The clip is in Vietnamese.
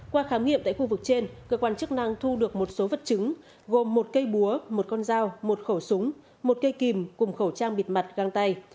qua khám nghiệm tại khu vực trên cơ quan chức năng thu được một số vật chứng gồm một cây búa một con dao một khẩu súng một cây kìm cùng khẩu trang bịt mặt găng tay